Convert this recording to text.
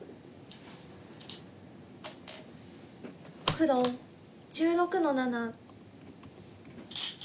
黒１６の七。